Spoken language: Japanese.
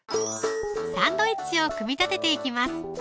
サンドイッチを組み立てていきます